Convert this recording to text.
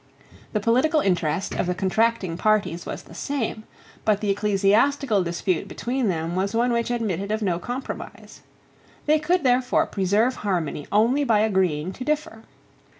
The political interest of the contracting parties was the same: but the ecclesiastical dispute between them was one which admitted of no compromise. They could therefore preserve harmony only by agreeing to differ.